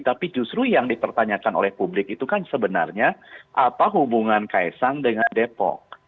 tapi justru yang dipertanyakan oleh publik itu kan sebenarnya apa hubungan kaesang dengan depok